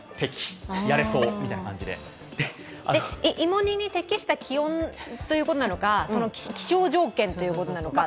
芋煮に適した気温ということなのか、気象条件ということなのか。